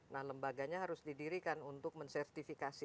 nah lembaganya harus didirikan untuk mensertifikasi